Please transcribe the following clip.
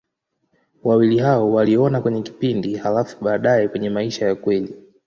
Wawili hao waliona kwenye kipindi, halafu baadaye kwenye maisha ya kweli.